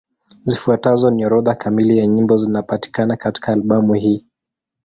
Zifuatazo ni orodha kamili ya nyimbo zinapatikana katika albamu hii.